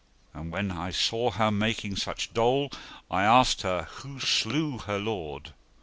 And when I saw her making such dole, I asked her who slew her lord.